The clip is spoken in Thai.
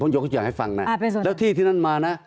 ผมยกอย่างให้ฟังน่ะอ่าเป็นส่วนแล้วที่ที่นั่นมาน่ะ